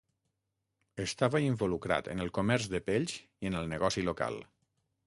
Estava involucrat en el comerç de pells i en el negoci local.